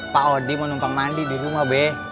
pak odi mau numpang mandi di rumah be